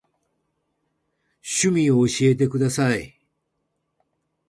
趣味を教えてください。